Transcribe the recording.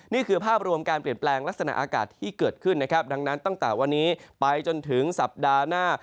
นี่คือภาพรวมการเปลี่ยนแปลงลักษณะอากาศที่เกิดขึ้นนะครับดังนั้นตั้งแต่วันนี้ไปจนถึงสัปดาห์หน้า